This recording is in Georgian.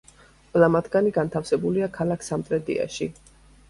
ყველა მათგანი განთავსებულია ქალაქ სამტრედიაში.